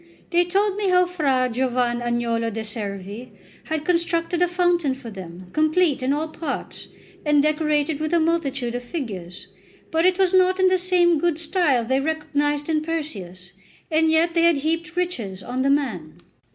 They told me how Fra Giovan Agnolo de' Servi had constructed a fountain for them, complete in all parts, and decorated with a multitude of figures; but it was not in the same good style they recognised in Perseus, and yet they had heaped riches on the man.